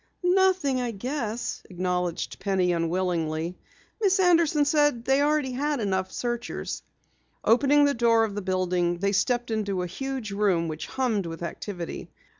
"Nothing, I guess," acknowledged Penny unwillingly. "Miss Anderson said they had enough searchers." Opening the door of the building, they stepped into a huge room which hummed with activity.